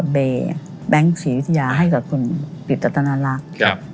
แบงก์ศรีวิทยาให้เขากับคุณปริตตนรักอืม